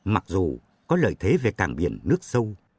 mặc dù có lợi thế về cảng biển nước sâu